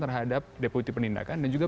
terhadap deputi penindakan dan juga